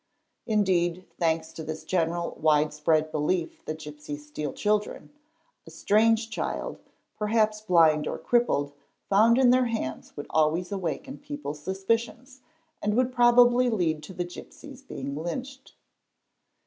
Indeed, thanks to this ~ general wide spread belief that gipsies steal children, a strange child, perhaps blind or crippled, found in their hands would always awaken people's suspicions and would probably lead to the gipsies being lynched.